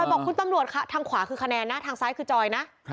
บอกคุณตำรวจทางขวาคือคะแนนนะทางซ้ายคือจอยนะ